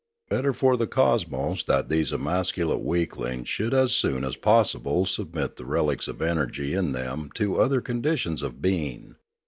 It was better for the cosmos that these emasculate weaklings should as soon as possible submit the relics of energy in them to other conditions of being.